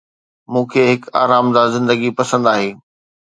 مون کي هڪ آرامده زندگي پسند آهي